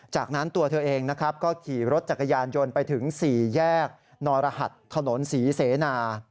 จากนั้นตัวเธอเองนะครับก็ขี่รถจักรยานยนต์ไปถึง๔แยกนรหัสถนนศรีเสนา